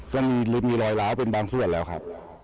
ก็มีรอยร้าวเป็นบางส่วนแล้วค่ะ